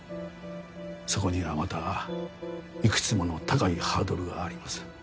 そこにはまたいくつもの高いハードルがあります。